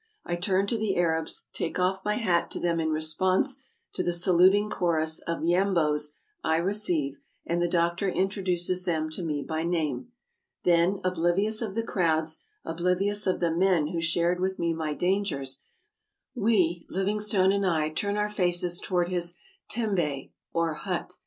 I turn to the Arabs, take off my hat to them in response to the saluting chorus of " Yambos " I receive, and the doctor introduces them to me by name. Then, oblivious of the crowds, oblivious of the men who shared with me my dangers, we — Livingstone and I — turn our faces toward his tembe (or hut).